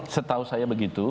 setahu saya begitu